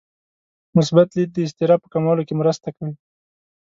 مثبت لید د اضطراب په کمولو کې مرسته کوي.